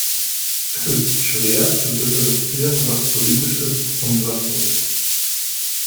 Es ist schwer zu differenzieren, was politisch ist und was nicht.